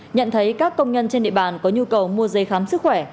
nhận thấy các công nhân trên địa bàn có nhu cầu mua giấy khám sức khỏe